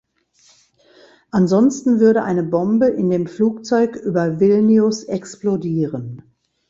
Ansonsten würde eine Bombe in dem Flugzeug über Vilnius explodieren.